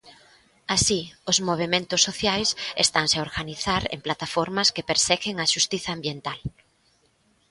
Así, os movementos sociais estanse a organizar en plataformas que perseguen a xustiza ambiental.